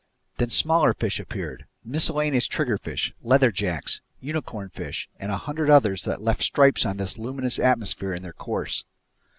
Then smaller fish appeared: miscellaneous triggerfish, leather jacks, unicornfish, and a hundred others that left stripes on this luminous atmosphere in their course.